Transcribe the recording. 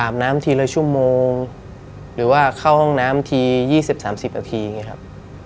อาบน้ำทีละชั่วโมงหรือว่าเข้าห้องน้ำที๒๐๓๐นาทีครับ